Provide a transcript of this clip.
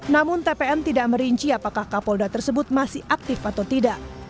namun tpm tidak merinci apakah kapolda tersebut masih aktif atau tidak